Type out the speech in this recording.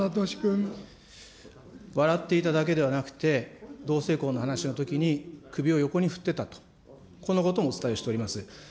笑っていただけではなくて、同性婚の話のときに、首を横に振ってたと、このこともお伝えしております。